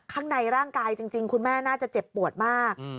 ข้างในร่างกายจริงคุณแม่น่าจะเจ็บปวดมาก